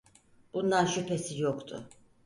Bundan şüphesi yoktu.